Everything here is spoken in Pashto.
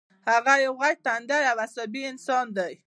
هغه یو غټ ټنډی او عصبي انسان دی